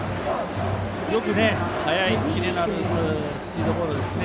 よく速いキレのあるスピードボールですね。